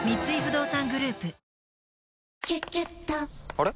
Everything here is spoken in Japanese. あれ？